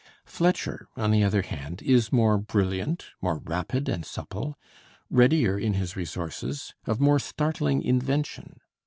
Fletcher, on the other hand, is more brilliant, more rapid and supple, readier in his resources, of more startling invention.